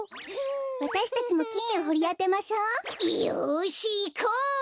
わたしたちもきんをほりあてましょう！よしいこう！